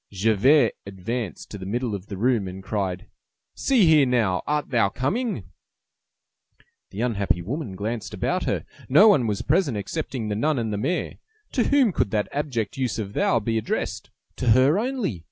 Javert advanced to the middle of the room, and cried:— "See here now! Art thou coming?" The unhappy woman glanced about her. No one was present excepting the nun and the mayor. To whom could that abject use of "thou" be addressed? To her only.